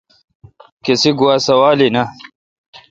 کسی گوا سوال این اؘ۔